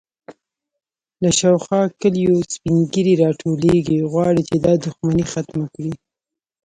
_له شاوخوا کليو سپين ږيرې راټولېږي، غواړي چې دا دښمنې ختمه کړي.